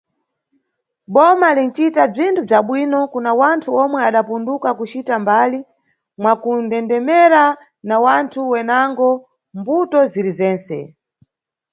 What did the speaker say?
Boma linʼcita bzinthu bza bwino kuna wanthu omwe adapunduka kucita mbali, mwakundendemera na wanthu wenango, mʼmbuto ziri zentse.